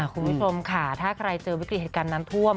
คุณผู้ชมค่ะถ้าใครเจอวิกฤตเหตุการณ์น้ำท่วม